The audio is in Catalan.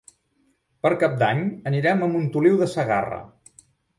Per Cap d'Any anirem a Montoliu de Segarra.